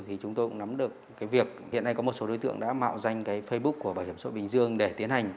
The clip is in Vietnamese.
thì chúng tôi cũng nắm được cái việc hiện nay có một số đối tượng đã mạo danh cái facebook của bảo hiểm sội bình dương để tiến hành